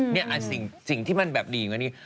นี่สิ่งที่มันแบบดีกว่านี้